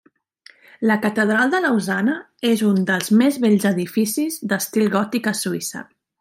La Catedral de Lausana és un dels més bells edificis d'estil gòtic a Suïssa.